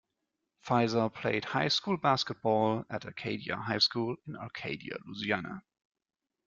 Fizer played high school basketball at Arcadia High School in Arcadia, Louisiana.